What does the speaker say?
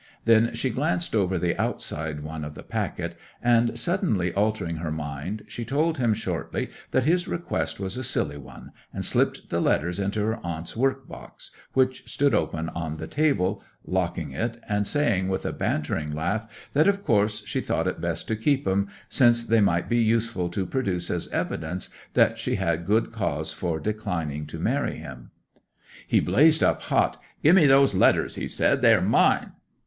Then she glanced over the outside one of the packet, and suddenly altering her mind, she told him shortly that his request was a silly one, and slipped the letters into her aunt's work box, which stood open on the table, locking it, and saying with a bantering laugh that of course she thought it best to keep 'em, since they might be useful to produce as evidence that she had good cause for declining to marry him. 'He blazed up hot. "Give me those letters!" he said. "They are mine!"